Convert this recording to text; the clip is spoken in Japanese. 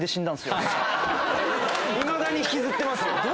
いまだに引きずってます。